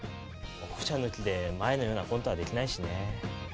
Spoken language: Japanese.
オコチャ抜きで前のようなコントはできないしね。